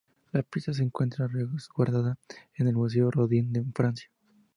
La pieza se encuentra resguardada en el Museo Rodin en Francia.